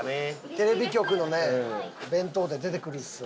テレビ局のね弁当で出てくるんですよね。